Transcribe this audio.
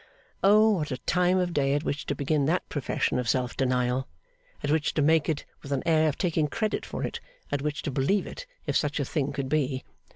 O what a time of day at which to begin that profession of self denial; at which to make it, with an air of taking credit for it; at which to believe it, if such a thing could be!